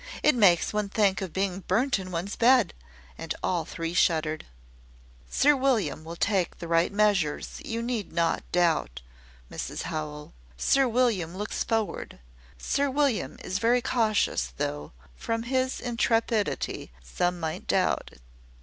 It makes one think of being burnt in one's bed." And all the three shuddered. "Sir William will take the right measures, you need not doubt, Mrs Howell. Sir William looks forward Sir William is very cautious, though, from his intrepidity, some might doubt it.